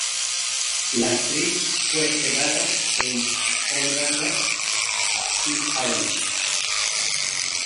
La actriz fue enterrada en Orgnac-l'Aven.